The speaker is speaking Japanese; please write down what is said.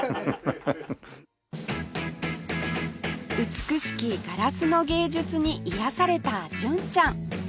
美しきガラスの芸術に癒やされた純ちゃん